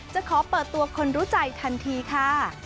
จะขอเปิดตัวคนรู้ใจทันทีค่ะ